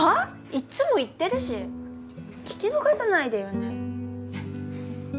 いっつも言ってるし聞き逃さないでよね